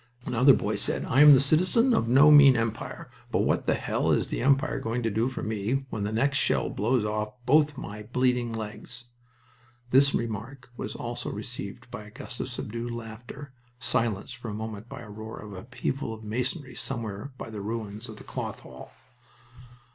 Another boy said, "I am a citizen of no mean Empire, but what the hell is the Empire going to do for me when the next shell blows off both my bleeding legs?" This remark was also received by a gust of subdued laughter, silenced for a moment by a roar and upheaval of masonry somewhere by the ruins of the Cloth Hall.